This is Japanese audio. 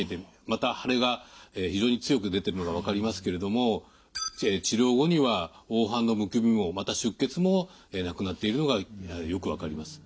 また腫れが非常に強く出てるのが分かりますけれども治療後には黄斑のむくみもまた出血もなくなっているのがよく分かります。